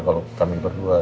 kalo kami berdua